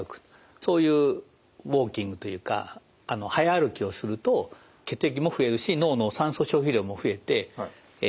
そういうウォーキングというか早歩きをすると血液も増えるし脳の酸素消費量も増えて神経の栄養因子が出るわけです。